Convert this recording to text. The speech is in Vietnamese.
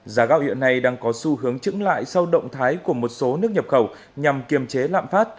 giá gạo hiện nay đang có xu hướng trứng lại sau động thái của một số nước nhập khẩu nhằm kiềm chế lạm phát